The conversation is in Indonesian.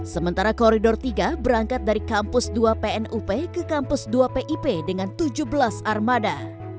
sementara koridor tiga berangkat dari kampus dua pnup ke kampus dua pip dengan tujuh belas armada